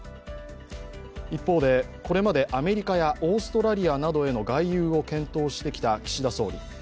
一方で、これまでアメリカやオーストラリアなどへの外遊を検討してきた岸田総理。